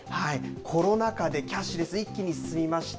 コロナ禍でキャッシュレス決済、一気に進みました。